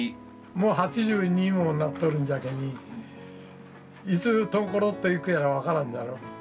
もう８２にもなっとるんじゃけにいつコロッといくやら分からんじゃろそやけん